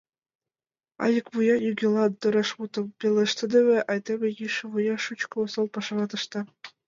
Айык вуя нигӧлан тореш мутым пелештыдыме айдеме йӱшӧ вуя шучко осал пашамат ышта.